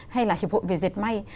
hay là hiệp hội về diệt may